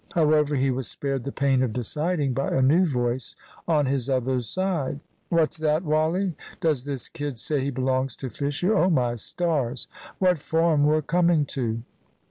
However, he was spared the pain of deciding by a new voice on his other side. "What's that, Wally? Does this kid say he belongs to Fisher? Oh, my stars, what form we're coming to!"